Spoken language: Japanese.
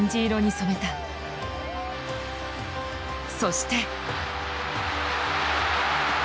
そして。